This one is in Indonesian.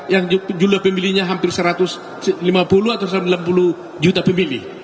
yang jumlah pemilihnya hampir satu ratus lima puluh atau satu ratus sembilan puluh juta pemilih